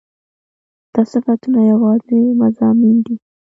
دا صفتونه يواځې مضامين دي